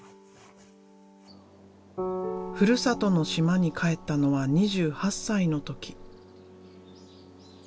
ふるさとの島に帰ったのは２８歳の時。